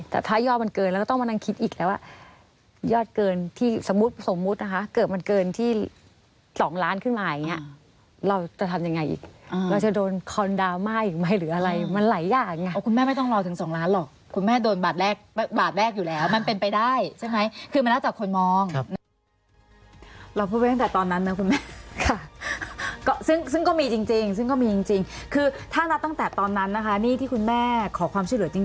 ๒ล้านขึ้นมาอย่างเงี้ยเราจะทำยังไงอีกเราจะโดนคอนดาม่าอีกไหมหรืออะไรมันหลายอย่างอ่ะคุณแม่ไม่ต้องรอถึง๒ล้านหรอกคุณแม่โดนบาทแรกบาทแรกอยู่แล้วมันเป็นไปได้ใช่ไหมคือมันน่าจะคนมองครับเราพูดไปตั้งแต่ตอนนั้นนะคุณแม่ค่ะซึ่งก็มีจริงซึ่งก็มีจริงคือถ้าตั้งแต่ตอนนั้นนะคะนี่ที่คุณแม่ขอคว